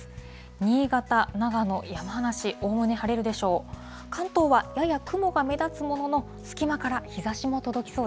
新潟、長野、山梨、おおむね晴れるでしょう。